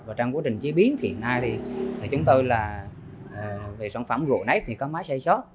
và trong quá trình chế biến thì hôm nay thì chúng tôi là về sản phẩm gỗ nếp thì có máy xay xót